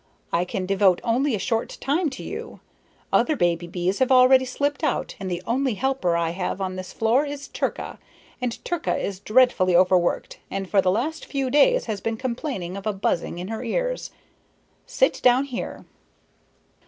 I can devote only a short time to you. Other baby bees have already slipped out, and the only helper I have on this floor is Turka, and Turka is dreadfully overworked and for the last few days has been complaining of a buzzing in her ears. Sit down here."